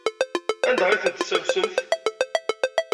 Anda ay tent-tessamsemt?